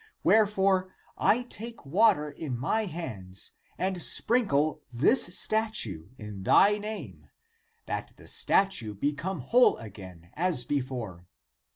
Wherefore I take water in my hands and sprinkle this statue in thy name, that the statue become whole again as before.